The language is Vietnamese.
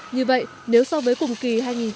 như vậy nếu so với cùng kỳ hai nghìn một mươi tám